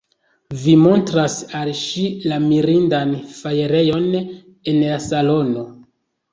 Vi montras al ŝi la mirindan fajrejon en la salono.